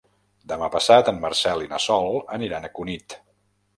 Demà passat en Marcel i na Sol aniran a Cunit.